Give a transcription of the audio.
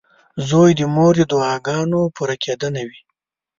• زوی د مور د دعاګانو پوره کېدنه وي.